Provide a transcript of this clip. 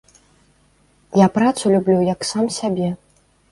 Я працу люблю, як сам сябе.